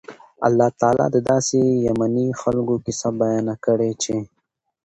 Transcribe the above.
الله تعالی د داسي يَمَني خلکو قيصه بیانه کړي چې